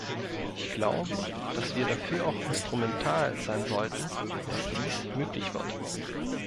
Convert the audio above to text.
Ich glaube, dass wir dafür auch instrumental sein sollten, dass dies möglich wird.